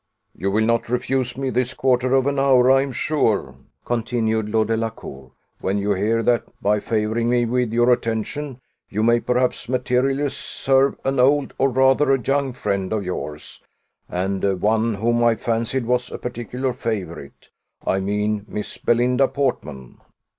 "You will not refuse me this quarter of an hour, I am sure," continued Lord Delacour, "when you hear that, by favouring me with your attention, you may perhaps materially serve an old, or rather a young, friend of yours, and one whom I once fancied was a particular favourite I mean, Miss Belinda Portman."